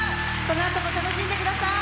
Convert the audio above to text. このあとも楽しんでください。